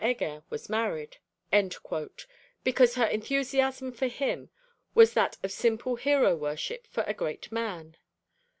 Heger was married_,' because her enthusiasm for him was that of simple hero worship for a great man.